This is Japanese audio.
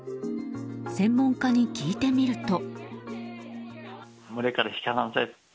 専門家に聞いてみると。